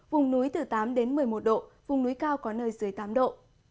vùng núi từ tám đến một mươi một độ vùng núi cao có nơi dưới tám độ